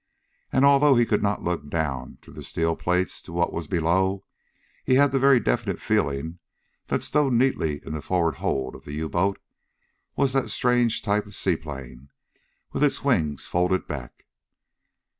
And although he could not look down through the steel plates to what was below, he had the very definite feeling that stowed neatly in the forward hold of the U boat was that strange type seaplane with its wings folded back.